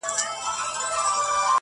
په توبو یې راولمه ستا تر ځایه!